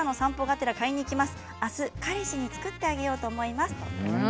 あした彼氏に作ってあげようと思います。